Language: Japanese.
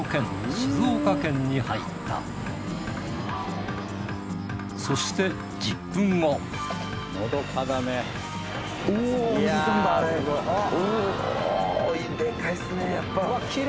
静岡県に入ったそして１０分後おでかいっすねやっぱ。